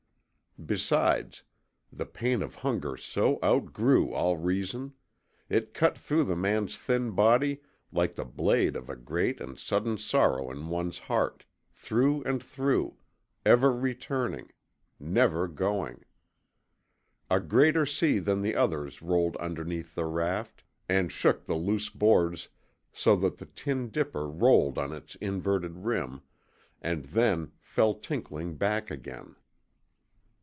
Besides, the pain of hunger so outgrew all reason! It cut through the man's thin body like the blade of a great and sudden sorrow in one's heart, through and through, ever returning, never going! A greater sea than the others rolled underneath the raft, and shook the loose boards so that the tin dipper rolled on its inverted rim, and then fell tinkling back again.